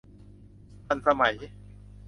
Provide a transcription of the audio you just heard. ทันสมัย